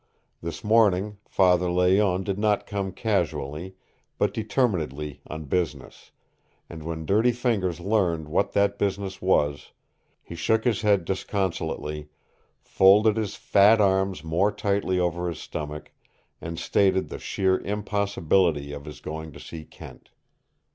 This morning Father Layonne did not come casually, but determinedly on business, and when Dirty Fingers learned what that business was, he shook his head disconsolately, folded his fat arms more tightly over his stomach, and stated the sheer impossibility of his going to see Kent.